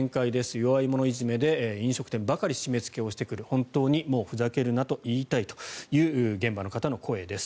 弱い者いじめで飲食店ばかり締めつけをしてくる本当にもうふざけるなと言いたいという現場の方の声です。